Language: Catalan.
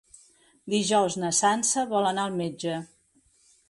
Dijous na Sança vol anar al metge.